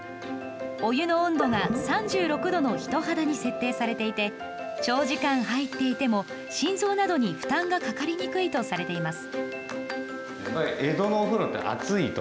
お湯の温度が３６度の人肌に設定されていて長時間、入っていても心臓などに負担がかかりにくいとされています。